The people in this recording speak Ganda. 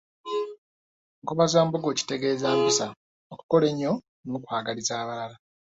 Nkobazambogo kitegeeza mpisa, okukola ennyo n’okwagaliza abalala.